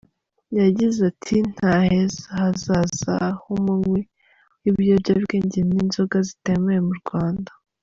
Yagize ati"Nta heza hahaza h’umunywi w’ibiyobyabwenge n’inzoga zitemewe mu Rwanda.